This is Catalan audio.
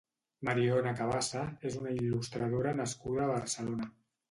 Mariona Cabassa és una il·lustradora nascuda a Barcelona.